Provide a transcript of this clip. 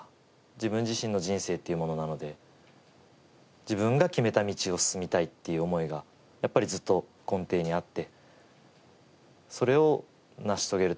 自分自身の人生っていうものなので自分が決めた道を進みたいっていう思いがずっと根底にあって。